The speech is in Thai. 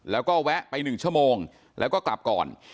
แล้วก็แวะไป๑ชั่วโมงแล้วก็กลับก่อน